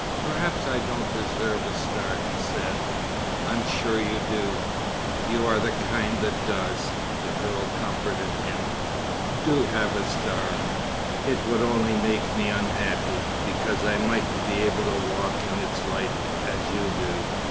"Perhaps I don't deserve a star," he said. "I'm sure you do. You are the kind that does," the girl comforted him. "Do have a star!" "It would only make me unhappy, because I mightn't be able to walk in its light, as you do."